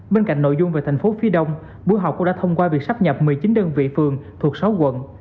bên cạnh nội dung về thành phố phía đông buổi họp cũng đã thông qua việc sắp nhập một mươi chín đơn vị phường thuộc sáu quận